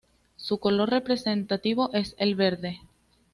Su color representativo es el verde.